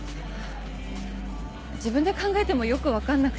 自分で考えてもよく分かんなくて。